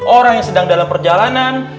orang yang sedang dalam perjalanan